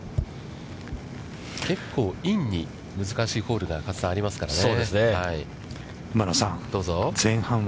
結構、インに難しいホールがありますからね。